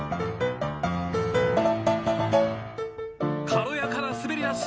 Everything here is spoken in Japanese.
軽やかな滑り出し。